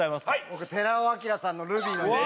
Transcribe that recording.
僕寺尾聰さんの「ルビーの指環」